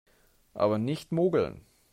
Aber nicht mogeln!